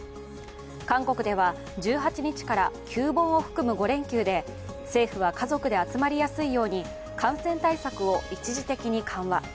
韓国では１８日から旧盆を含む５連休で政府は、家族で集まりやすいように感染対策を一時的に緩和。